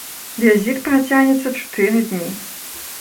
Візіт працягнецца чатыры дні.